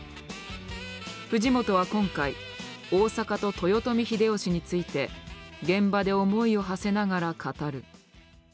藤本は今回「大阪と豊臣秀吉」について現場で思いをはせながら語る。